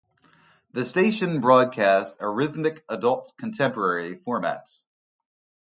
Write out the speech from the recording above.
The station broadcasts a Rhythmic Adult Contemporary format.